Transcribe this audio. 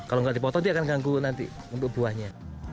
kalau nggak dipotong dia akan ganggu nanti untuk buahnya